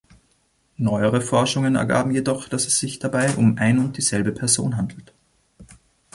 Neuere Forschungen ergaben jedoch, dass es sich dabei um ein und dieselbe Person handelt.